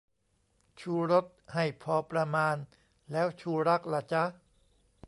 "ชูรส" ให้พอประมาณ แล้ว "ชูรัก" ล่ะจ๊ะ ?